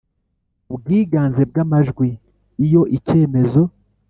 ku bwiganze bw amajwi Iyo icyemezo